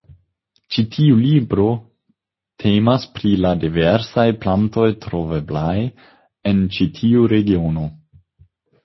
Ĉi tiu libro temas pri la diversaj plantoj troveblaj en ĉi tiu regiono.